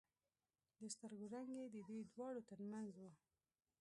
د سترګو رنگ يې د دې دواړو تر منځ و.